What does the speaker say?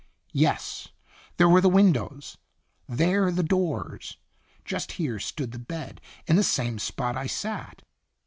Yes there were the windows, there the doors just here stood the bed, in the same spot I sat.